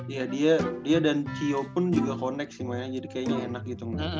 ya dia dan cio pun juga connect sih mbak ya jadi kayaknya enak gitu